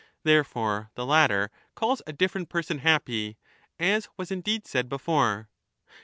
Therefore the latter calls 5 a ^ different person happy, as was indeed said before.